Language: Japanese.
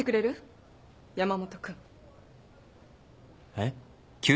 えっ？